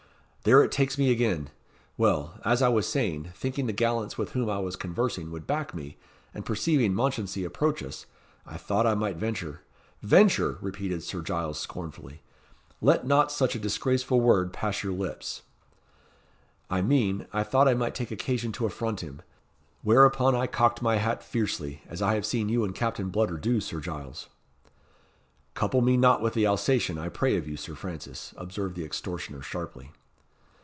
ough! there it takes me again. Well, as I was saying, thinking the gallants with whom I was conversing would back me, and perceiving Mounchensey approach us, I thought I might venture" "Venture!" repeated Sir Giles, scornfully. "Let not such a disgraceful word pass your lips." "I mean, I thought I might take occasion to affront him. Whereupon I cocked my hat fiercely, as I have seen you and Captain Bludder do, Sir Giles." "Couple me not with the Alsatian, I pray of you, Sir Francis," observed the extortioner, sharply.